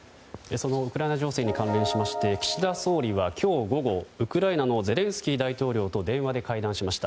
そのウクライナ情勢に関連しまして岸田総理は今日午後ウクライナのゼレンスキー大統領と電話で会談しました。